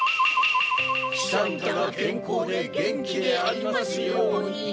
喜三太が健康で元気でありますように。